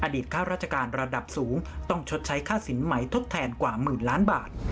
ค่าราชการระดับสูงต้องชดใช้ค่าสินใหม่ทดแทนกว่าหมื่นล้านบาท